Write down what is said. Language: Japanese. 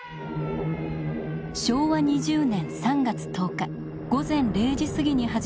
昭和２０年３月１０日午前０時過ぎに始まった東京大空襲。